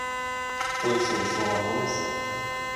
To jsou slova Komise.